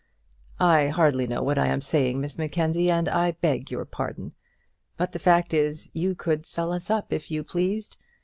"I hardly know what I am saying, Miss Mackenzie, and I beg your pardon; but the fact is you could sell us up if you pleased.